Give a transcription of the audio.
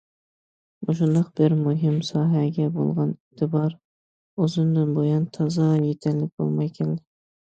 مۇشۇنداق بىر مۇھىم ساھەگە بولغان ئېتىبار ئۇزۇندىن بۇيان تازا يېتەرلىك بولماي كەلدى.